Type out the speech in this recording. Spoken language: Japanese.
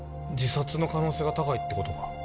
自殺の可能性が高いってことか？